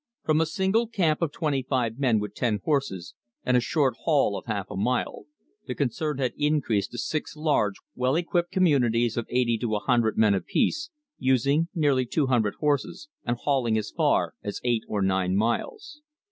From a single camp of twenty five men with ten horses and a short haul of half a mile, the concern had increased to six large, well equipped communities of eighty to a hundred men apiece, using nearly two hundred horses, and hauling as far as eight or nine miles.